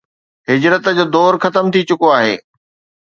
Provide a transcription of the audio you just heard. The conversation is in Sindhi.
هجرت جو دور ختم ٿي چڪو آهي